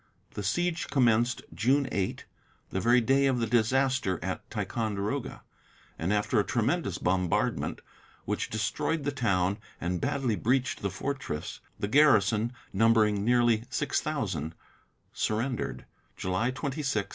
The siege commenced June 8 the very day of the disaster at Ticonderoga and after a tremendous bombardment which destroyed the town and badly breached the fortress, the garrison, numbering nearly six thousand, surrendered July 26, 1758.